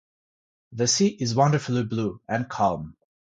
The sea is wonderfully blue and calm.